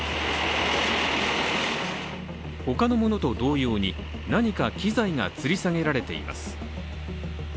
他のものと同様に、何か機材がつり下げられています。